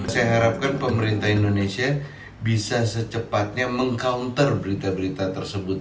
saya harapkan pemerintah indonesia bisa secepatnya meng counter berita berita tersebut